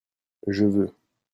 je veux.